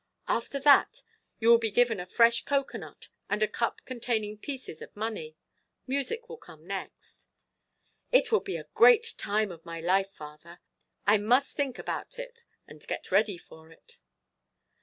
"After that you will be given a fresh cocoanut and a cup containing pieces of money. Music will come next." "It will be the great time of my life, father. I must think about it and get ready for it."